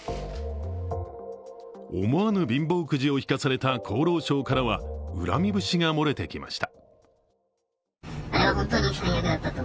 思わぬ貧乏くじを引かされた厚労省からは恨み節が漏れてきました。